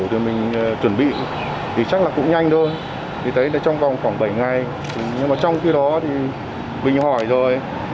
để mình chuẩn bị thì chắc là cũng nhanh thôi thì thấy trong vòng khoảng bảy ngày nhưng mà trong khi đó thì mình hỏi rồi